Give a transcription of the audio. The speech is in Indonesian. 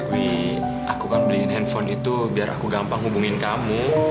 we aku kan beliin handphone itu biar aku gampang hubungin kamu